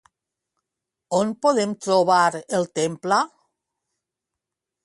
On podem trobar el temple?